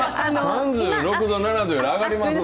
３６度、７度より上がります。